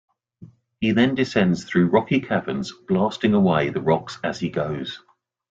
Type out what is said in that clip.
He then descends through rocky caverns blasting away the rocks as he goes.